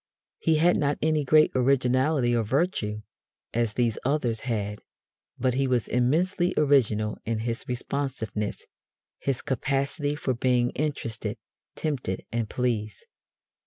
He had not any great originality of virtue, as these others had, but he was immensely original in his responsiveness his capacity for being interested, tempted and pleased.